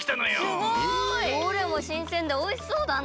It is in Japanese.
すごい！どれもしんせんでおいしそうだな！